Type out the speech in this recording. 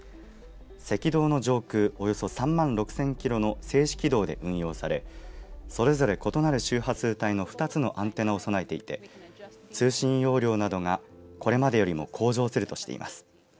赤道の上空およそ３万６０００キロの静止軌道で運用されそれぞれ異なる周波数帯の２つのアンテナを備えていて通信容量などが、これまでよりも向上するとしています。